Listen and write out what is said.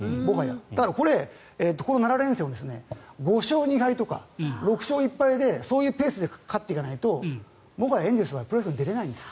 だからこれ、この７連戦を５勝２敗とか６勝１敗でそういうペースで勝っていかないともはやエンゼルスはプレーオフに出られないんです。